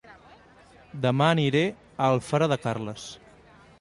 Dema aniré a Alfara de Carles